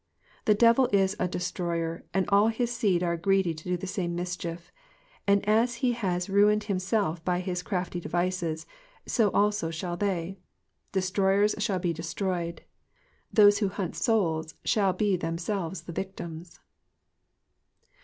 The devil is a destroyer, and all his seed are greedy to do the same mischief ; and as he has ruined himself by his crafty devices, so also shall they. Destroyers shall be destroyed. Those who hunt souls shall be themselves the victims.